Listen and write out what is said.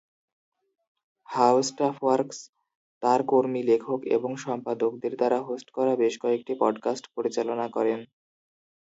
HowStuffWorks তার কর্মী লেখক এবং সম্পাদকদের দ্বারা হোস্ট করা বেশ কয়েকটি পডকাস্ট পরিচালনা করে।